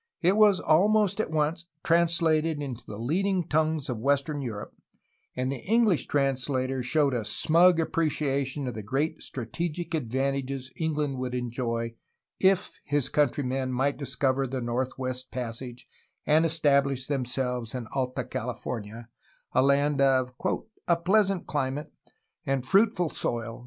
It was almost at once translated into the leading tongues of western Europe, and the English translator showed a smug appreciation of the great strategic advantages England would enjoy if his countrymen might discover the North west Passage and establish themselves in Alta California, a land of ''a pleasant climate" and '^fruitful soil